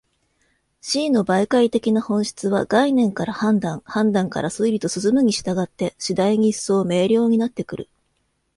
思惟の媒介的な本質は、概念から判断、判断から推理と進むに従って、次第に一層明瞭になってくる。